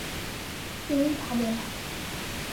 কেউই ভাবে না।